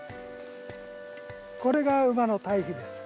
これが馬のたい肥です。